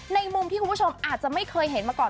มุมที่คุณผู้ชมอาจจะไม่เคยเห็นมาก่อน